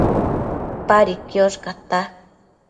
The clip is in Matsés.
Padi quiosh cata